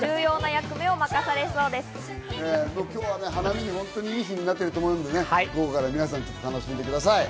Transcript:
今日はね、花見にいい日になってると思いますからね、午後から皆さん、出かけてください。